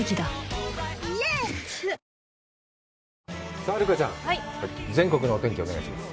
さあ留伽ちゃん、全国のお天気をお願いします。